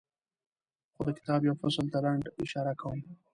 خو د کتاب یوه فصل ته لنډه اشاره کوم.